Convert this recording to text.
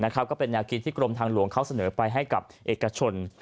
ก็เป็นแนวคิดที่กรมทางหลวงเขาเสนอไปให้กับเอกชน